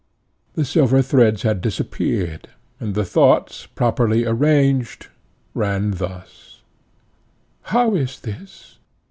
The silver threads had disappeared, and the thoughts, properly arranged, ran thus: "How is this?